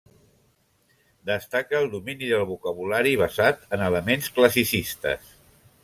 Destaca el domini del vocabulari basat en elements classicistes.